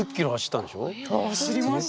走りました。